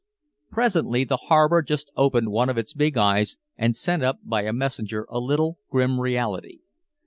Presently the harbor just opened one of its big eyes and sent up by a messenger a little grim reality.